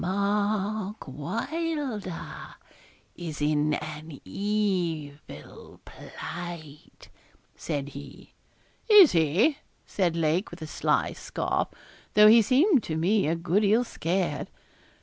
'Mark Wylder is in an evil plight,' said he. 'Is he?' said Lake, with a sly scoff, though he seemed to me a good deal scared.